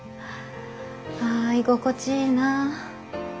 あ居心地いいな